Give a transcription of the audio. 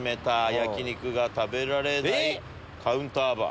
焼肉が食べられないカウンターバー」。